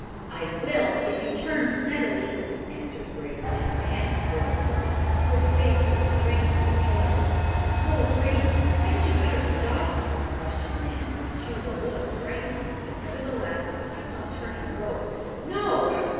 "I will, if you turn steadily," answered Grace, in a panting voice. Her face was strangely pale. "Oh, Grace, hadn't you better stop?" questioned Nan. She was a little frightened, but, nevertheless, kept on turning the rope. "No!"